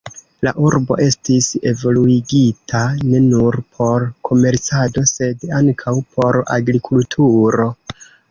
La urbo estis evoluigita ne nur por komercado, sed ankaŭ por agrikulturo.